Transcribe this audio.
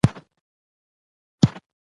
ګړی وروسته مرغه کښته سو له بامه